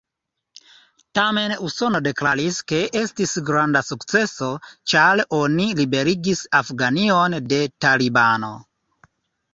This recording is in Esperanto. Tamen Usono deklaris, ke estis granda sukceso, ĉar oni liberigis Afganion de talibano.